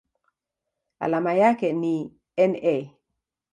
Alama yake ni Na.